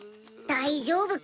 大丈夫カ？